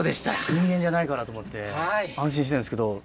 人間じゃないからと思って安心してるんですけど。